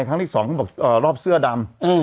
ครั้งที่๒รอบเสื้อดำ